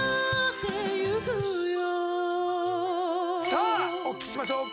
さあお聞きしましょう。